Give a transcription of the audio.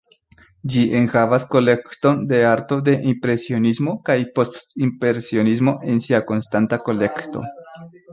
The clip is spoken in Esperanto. Ĝi enhavas kolekton de arto de Impresionismo kaj Post-impresionismo en sia konstanta kolekto.